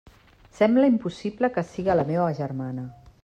Sembla impossible que siga la meua germana!